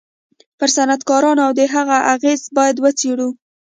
پر صنعتکارانو د هغه اغېز بايد و څېړو.